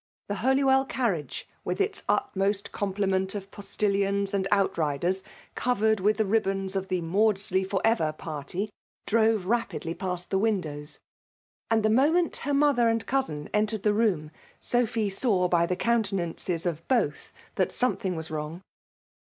The Holywell carriage with its utmost complement of postilions and outriders, coveted with the ribbons of the ''Maudsley for ever*' party, drove rapidly past the windows ; and the mo* ment her mother and cousin entered the room, Sophy saw by the countenances of both that was wrong.